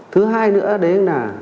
thứ hai nữa đấy là